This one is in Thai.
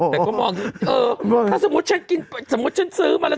แต่ก็มองเออถ้าสมมุติฉันซื้อมาแล้ว